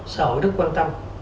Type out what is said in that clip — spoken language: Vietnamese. xã hội rất quan tâm